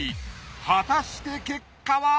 果たして結果は！？